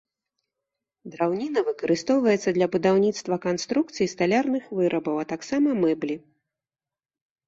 Драўніна выкарыстоўваецца для будаўніцтва канструкцый і сталярных вырабаў, а таксама мэблі.